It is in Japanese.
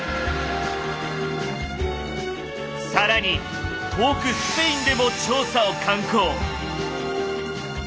更に遠くスペインでも調査を敢行！